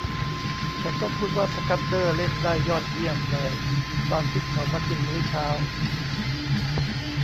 ฉันต้องพูดว่าสคัดเดอร์เล่นได้ยอดเยี่ยมเลยตอนที่เขามากินมื้อเช้า